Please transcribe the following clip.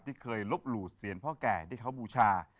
ที่เคยรับรู้เสียงพ่อแก่ที่เขาบูชา